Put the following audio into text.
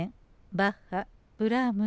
バッハブラームス